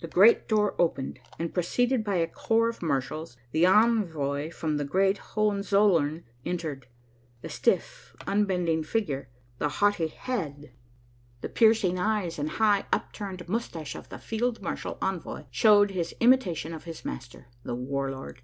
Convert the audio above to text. The great door opened and, preceded by a corps of marshals, the envoy from the great Hohenzollern entered. The stiff, unbending figure, the haughty head, the piercing eyes and high, upturned moustache of the field marshal envoy showed his imitation of his master, the war lord.